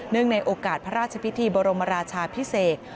ในโอกาสพระราชพิธีบรมราชาพิเศษ